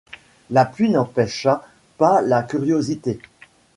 La pluie n'empêcha pas la curiosité.